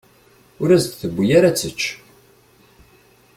Ur as-d-tewwi ara ad tečč.